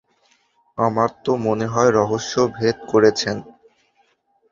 আমার তো মনে হয় রহস্য ভেদ করেছেন।